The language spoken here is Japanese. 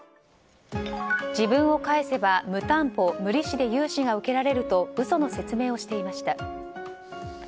自分を介せば無担保・無利子で融資を受けられると嘘の説明をしていました。